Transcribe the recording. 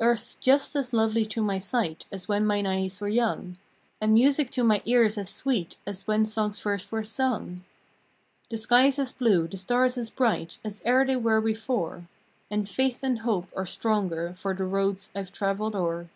Earth s just as lovely to my sight as when mine eyes were young, And music to my ear s as sweet as when songs first were sung; The skies as blue, the stars as bright, as e er they were before, And Faith and Hope are stronger for the roads I ve traveled o er.